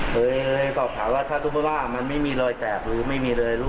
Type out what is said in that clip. เฮ้ยตอบถามว่าถ้าทุบประปรามันไม่มีรอยแตกหรือไม่มีรอยรั่ว